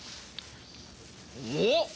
おっ！